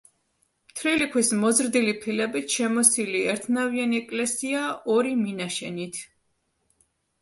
თლილი ქვის მოზრდილი ფილებით შემოსილი ერთნავიანი ეკლესია ორი მინაშენით.